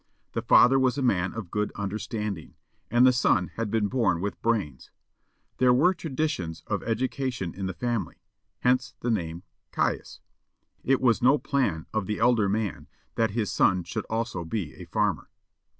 The father was a man of good understanding, and the son had been born with brains; there were traditions of education in the family, hence the name Caius; it was no plan of the elder man that his son should also be a farmer.